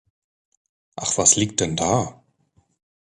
Ach was liegt denn da.